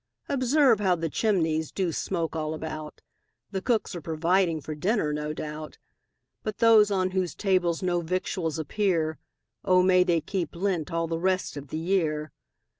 Observe how the chimneys Do smoke all about; The cooks are providing For dinner, no doubt; But those on whose tables No victuals appear, O may they keep Lent All the rest of the year.